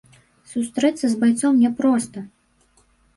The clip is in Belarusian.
Сустрэцца з байцом няпроста.